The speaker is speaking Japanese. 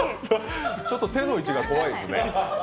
ちょっと手の位置が怖いですね。